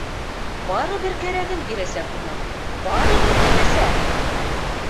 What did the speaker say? Барыбер кәрәген бирәсәк уның, барыбер еңәсәк!